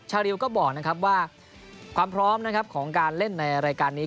ริวก็บอกนะครับว่าความพร้อมนะครับของการเล่นในรายการนี้